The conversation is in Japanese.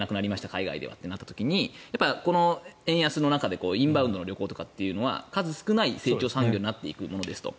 海外ではとなった時にこの円安の中でインバウンドの旅行とかというのは数少ない成長産業になっていくものですと。